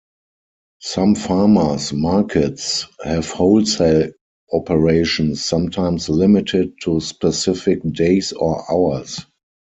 Some farmers' markets have wholesale operations, sometimes limited to specific days or hours.